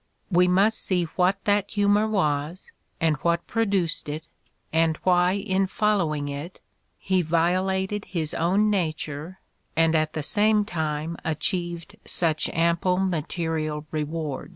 "We must see what that humor was, and what produced it, and why in following it he violated his own nature and at the same time achieved such ample material rewards.